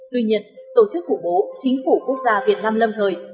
tuy nhiên tổ chức khủng bố chính phủ quốc gia việt nam lâm thời